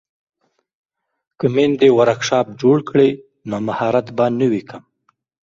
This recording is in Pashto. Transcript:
که میندې ورکشاپ جوړ کړي نو مهارت به نه وي کم.